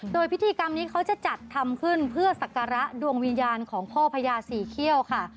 โดยพิธีกรรมนี้เขาจะจัดทำขึ้นเพื่อสักการะดวงวิญญาณของพ่อพญาศรีเขี้ยวค่ะ